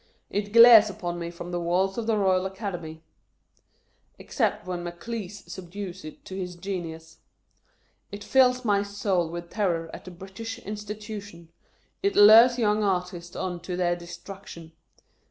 It glares upon me from the walls of the Royal Academy, (ex cept when MACLISE subdues it to his genixis,) it fills my soul with terror at the British Insti tution, it lures young artists on to their de struction.